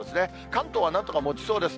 関東はなんとかもちそうです。